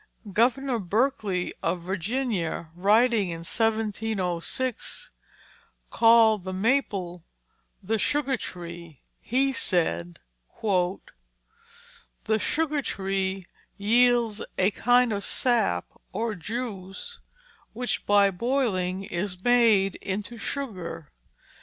Governor Berkeley of Virginia, writing in 1706, called the maple the sugar tree; he said: "The Sugar Tree yields a kind of Sap or Juice which by boiling is made into Sugar.